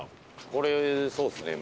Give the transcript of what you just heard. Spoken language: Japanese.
これそうですね。